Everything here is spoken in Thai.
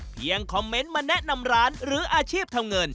คอมเมนต์มาแนะนำร้านหรืออาชีพทำเงิน